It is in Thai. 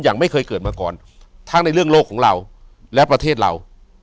ไม่เคยเกิดมาก่อนทั้งในเรื่องโลกของเราและประเทศเรา